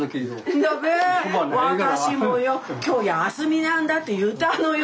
今日休みなんだって言ったのよ。